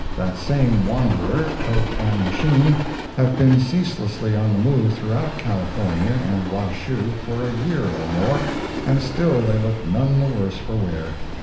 That same wanderer, coat and machine, have been ceaselessly on the move throughout California and Washoe, for a year or more, and still they look none the worse for wear.